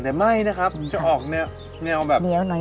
แต่ไม่นะครับจะออกแนวแบบ